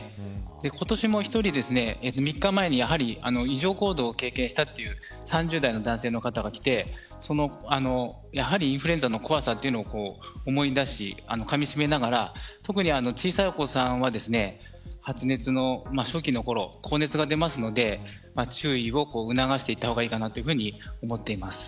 今年も１人３日前に異常行動を経験したという３０代の男性の方が来てインフルエンザの怖さを思い出しかみしめながら特に小さいお子さんは発熱の初期のころ高熱が出ますので注意を促していった方がいいかなと思っています。